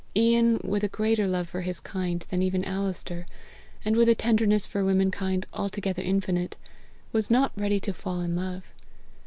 Ian, with a greater love for his kind than even Alister, and with a tenderness for womankind altogether infinite, was not ready to fall in love.